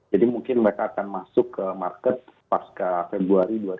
jadi mungkin mereka akan masuk ke market pas ke februari dua ribu dua puluh empat